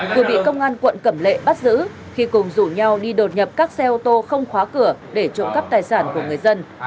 vừa bị công an quận cẩm lệ bắt giữ khi cùng rủ nhau đi đột nhập các xe ô tô không khóa cửa để trộm cắp tài sản của người dân